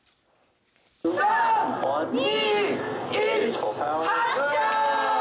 ３、２、１発射。